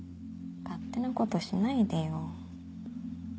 勝手なことしないでよ。